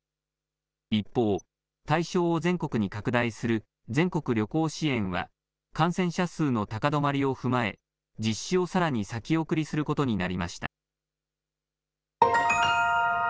一方、対象を全国に拡大する全国旅行支援は感染者数の高止まりを踏まえ実施をさらに先送りすることになりました。